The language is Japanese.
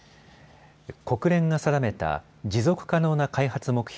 国連が定めた持続可能な開発目標